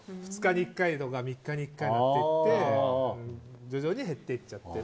２日に１回とか３日に１回とかいって徐々に減っていっちゃう。